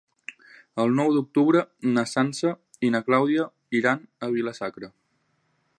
El nou d'octubre na Sança i na Clàudia iran a Vila-sacra.